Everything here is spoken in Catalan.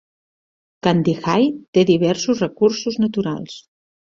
Candijay té diversos recursos naturals.